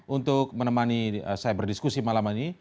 untuk menemani saya berdiskusi malam ini